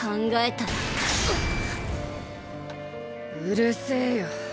うるせぇよ。